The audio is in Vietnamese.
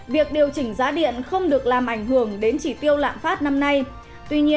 việc điều chỉnh giá điện không được làm ảnh hưởng đến chỉ tiêu lạm phát năm nay